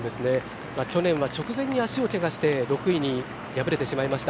去年は直前に足を怪我して６位に敗れてしまいました。